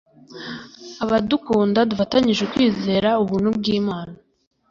abadukunda dufatanije kwizera ubuntu bw imana